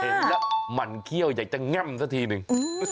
เห็นแล้วหมั่นเขี้ยวอยากจะแง่มซะทีหนึ่ง